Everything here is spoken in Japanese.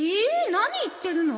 何言ってるの？